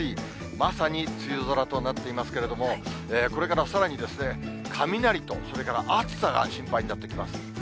まさに梅雨空となっていますけれども、これからさらに雷と、それから暑さが心配になってきます。